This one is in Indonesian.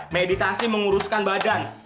meditasi menguruskan badan